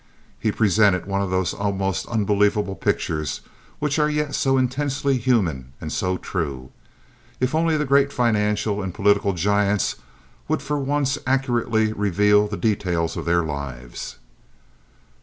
He presented one of those almost unbelievable pictures which are yet so intensely human and so true. If only the great financial and political giants would for once accurately reveal the details of their lives!